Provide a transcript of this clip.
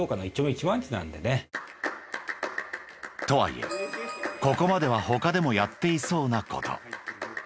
［とはいえここまでは他でもやっていそうなこと］